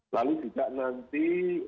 lalu juga nanti